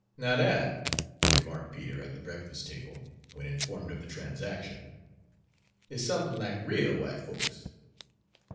"Now dat," remarked Peter, at the breakfast table, when informed of the transaction, "is somethin' lack rale w'ite folks."